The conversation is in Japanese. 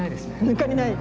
抜かりない。